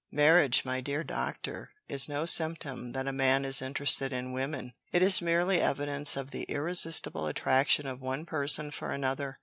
Marriage, my dear Doctor, is no symptom that a man is interested in women. It is merely evidence of the irresistible attraction of one person for another.